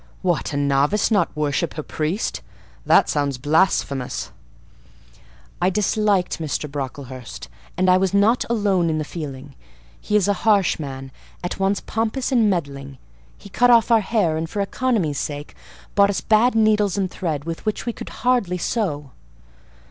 What! a novice not worship her priest! That sounds blasphemous." "I disliked Mr. Brocklehurst; and I was not alone in the feeling. He is a harsh man; at once pompous and meddling; he cut off our hair; and for economy's sake bought us bad needles and thread, with which we could hardly sew."